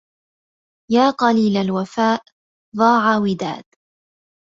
يا قليل الوفاء ضاع وداد